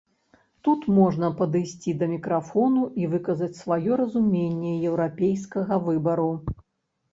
Тут можна падысці да мікрафону і выказаць сваё разуменне еўрапейскага выбару.